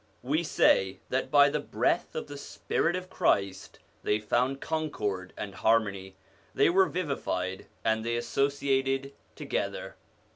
We say that by the breath of the spirit of Christ they found concord and harmony, they were vivified, and they associated together.